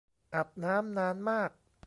อาบน้ำนานมาก